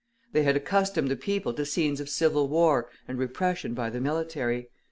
They had accustomed the people to scenes of civil war and repression by the military.